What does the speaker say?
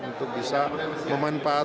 untuk bisa memanfaatkan